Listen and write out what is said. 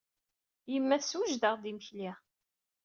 Yemma tessewjed-aɣ-d imekli.